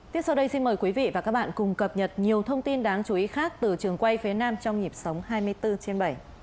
tiếp sau đây xin mời quý vị và các bạn cùng cập nhật nhiều thông tin đáng chú ý khác từ trường quay phía nam trong nhịp sống hai mươi bốn trên bảy